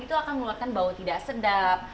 itu akan mengeluarkan bau tidak sedap